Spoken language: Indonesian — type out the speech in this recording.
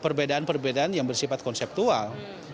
perbedaan perbedaan yang bersifat konseptual